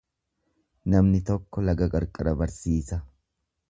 Namni tokko laga qarqara barsiisa.